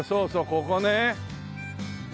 ここね。